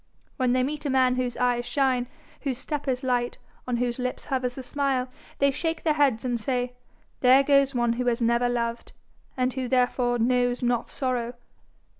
When they meet a man whose eyes shine, whose step is light, on whose lips hovers a smile, they shake their heads and say, 'There goes one who has never loved, and who therefore knows not sorrow.'